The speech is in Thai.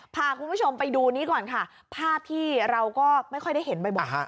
พาคุณผู้ชมไปดูนี้ก่อนค่ะภาพที่เราก็ไม่ค่อยได้เห็นบ่อย